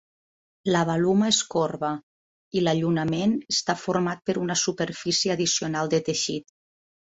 La baluma és corba i l'allunament està format per una superfície addicional de teixit.